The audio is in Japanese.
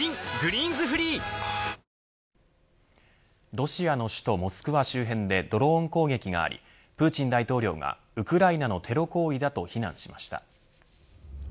ロシアの首都モスクワ周辺でドローン攻撃がありプーチン大統領がウクライナのテロ行為だと非難しました。